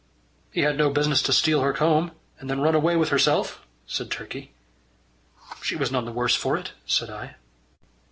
"He had no business to steal her comb, and then run away with herself," said Turkey. "She was none the worse for it," said I.